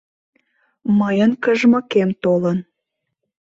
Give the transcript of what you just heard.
Мыйын кыжмыкем толын...